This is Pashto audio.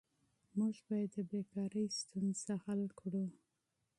موږ باید د بیکارۍ ستونزه حل کړو.